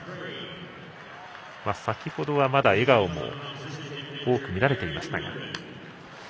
先ほどは笑顔も多く見られていましたが。